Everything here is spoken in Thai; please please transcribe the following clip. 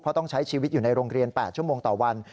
เพราะต้องใช้ชีวิตอยู่ในโรงเรียน๘ชั่วโมงต่อวัน